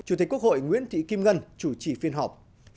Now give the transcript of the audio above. chủ tịch quốc hội nguyễn thị kim ngân chủ trì phiên họp